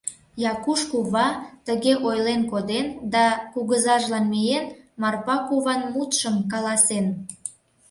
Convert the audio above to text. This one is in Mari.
Якуш кува тыге ойлен коден да, кугызажлан миен, Марпа куван мутшым каласен.